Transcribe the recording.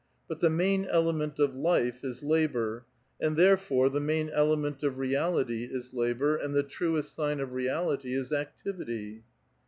But the main element of life is labor, and therefore, the main element of realitv is labor, and the truest sign of reality is activity."